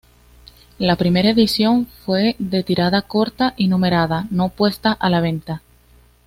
La primera edición fue de tirada corta y numerada, no puesta a la venta.